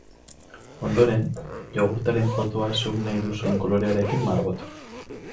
Ondoren, jogurtaren potoa zuk nahi duzun kolorearekin margotu.